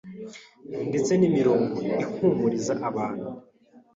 ndetse n’imirongo ihumuriza abantu